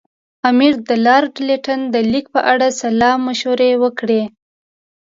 امیر د لارډ لیټن د لیک په اړه سلا مشورې وکړې.